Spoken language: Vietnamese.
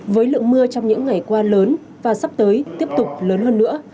với lượng mưa trong những ngày qua lớn và sắp tới tiếp tục lớn hơn nữa